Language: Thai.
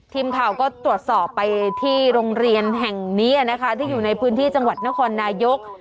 ทีมข่าวก็ตรวจสอบไปที่โรงเรียนแห่งนี้นะคะที่อยู่ในพื้นที่จังหวัดนครนายก